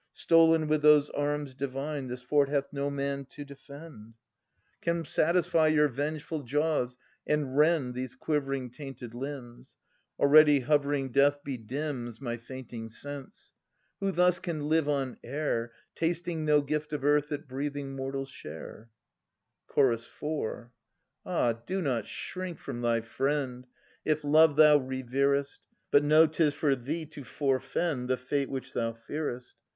Stolen with those arms divine. This fort hath no man to defend. X 2 3o8 Philodetes [nss uss Come satisfy your vengeful jaws, and rend These quivering tainted limbs! Already hovering death bedims , My fainting sense. Who thus can live on air, Tasting no gift of earth that breathing mortals share ? Ch. 4. Ah! do not shrink from thy friend. If love thou reverest. But know 'tis for thee to forfend The fate which thou fearest.